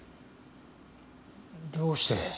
どうして。